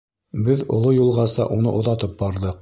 Беҙ оло юлғаса уны оҙатып барҙыҡ.